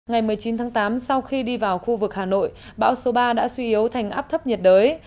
ngày một mươi chín tháng tám sau khi đi vào khu vực hà nội bão số ba đã suy yếu thành áp thấp nhiệt đới